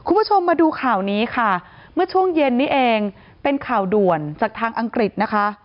คุณผู้ชมมาดูข่าวนี้ค่ะเมื่อช่วงเย็นนี้เองเป็นข่าวด่วนจากทางอังกฤษนะคะ